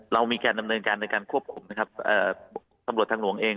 เรามีการดำเนินการในการควบคุมนะครับเอ่อตำรวจทางหลวงเอง